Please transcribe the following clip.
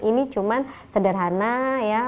ini cuma sederhana ya